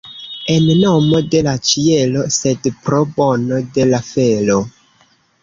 En nomo de la ĉielo, sed pro bono de la felo.